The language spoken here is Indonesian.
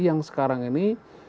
yang sekarang ini